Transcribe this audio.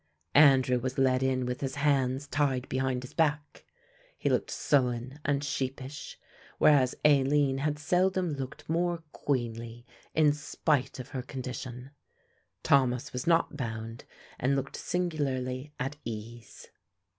Andrew was led in with his hands tied behind his back; he looked sullen and sheepish, whereas Aline had seldom looked more queenly in spite of her condition. Thomas was not bound and looked singularly at ease.